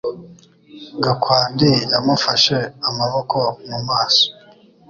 Gakwandi yamufashe amaboko mu maso